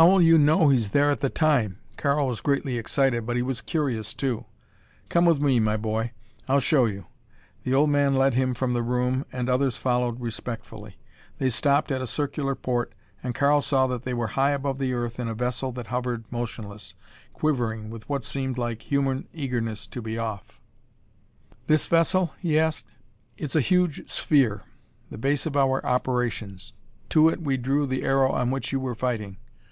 "How'll you know he's there at the time?" Karl was greatly excited, but he was curious too. "Come with me, my boy. I'll show you." The old man led him from the room and the others followed respectfully. They stopped at a circular port and Karl saw that they were high above the earth in a vessel that hovered motionless, quivering with what seemed like human eagerness to be off. "This vessel?" he asked. "It's a huge sphere; the base of our operations. To it we drew the aero on which you were fighting.